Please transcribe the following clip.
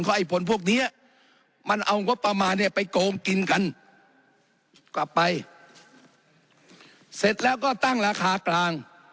ไอ้ผลพวกเนี้ยมันเอางบประมาณเนี่ยไปโกงกินกันกลับไปเสร็จแล้วก็ตั้งราคากลาง